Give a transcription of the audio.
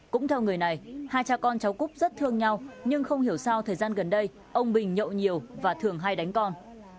cũng theo người này hai cha con cháu cúp rất thương nhau nhưng không hiểu sao thời gian gần đây ông bình nhậu nhiều và thường hay đánh con